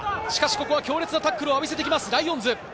強烈なタックルを浴びせてきますライオンズ。